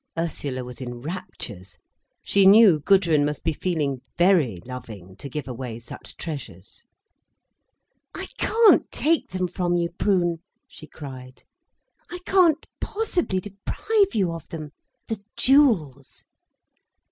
Ursula was in raptures. She knew Gudrun must be feeling very loving, to give away such treasures. "I can't take them from you, Prune," she cried. "I can't possibly deprive you of them—the jewels."